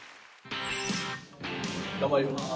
頑張ります。